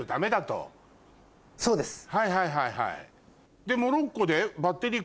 はいはいはいはい。